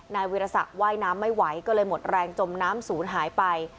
นายวิรสักว่ายน้ำไม่ไหวก็เลยหมดแรงจมน้ำศูนย์หายไป